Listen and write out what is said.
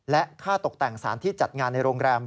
และค่าตกแต่งสารที่จัดงานในโรงแรม